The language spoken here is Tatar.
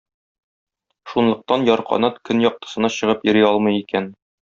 Шунлыктан Ярканат көн яктысына чыгып йөри алмый икән.